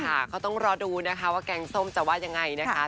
ก็ต้องรอดูนะคะว่าแกงส้มจะว่ายังไงนะคะ